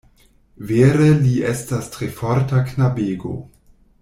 Vere li estas tre forta knabego.